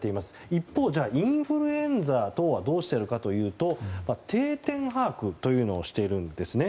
一方、インフルエンザ等はどうしているかというと定点把握というのをしているんです。